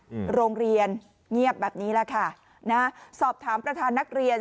อืมโรงเรียนเงียบแบบนี้แหละค่ะนะสอบถามประธานนักเรียน